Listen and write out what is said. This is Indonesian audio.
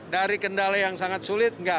dari kendala yang sangat sulit nggak